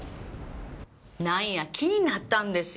なんや気になったんですよ。